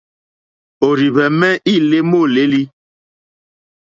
Òrzìhwɛ̀mɛ́ î lé môlélí.